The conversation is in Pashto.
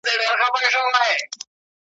هر آواز یې د بلال دی هر ګوزار یې د علي دی `